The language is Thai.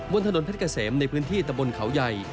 บนถนนเพชรเกษมในพื้นที่ตะบนเขาใหญ่